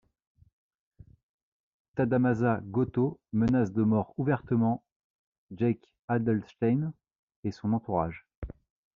Tadamasa Goto menace de mort ouvertement Jake Adelstein et son entourage.